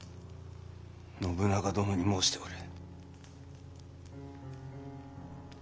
信長殿に申しておる。